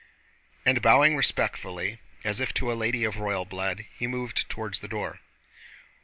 And bowing respectfully, as if to a lady of royal blood, he moved toward the door.